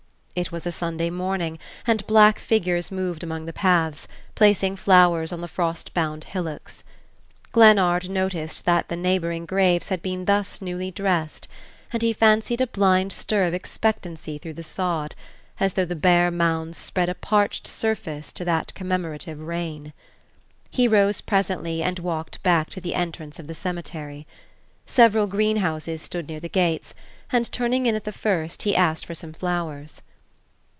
It was a Sunday morning and black figures moved among the paths, placing flowers on the frost bound hillocks. Glennard noticed that the neighboring graves had been thus newly dressed; and he fancied a blind stir of expectancy through the sod, as though the bare mounds spread a parched surface to that commemorative rain. He rose presently and walked back to the entrance of the cemetery. Several greenhouses stood near the gates, and turning in at the first he asked for some flowers.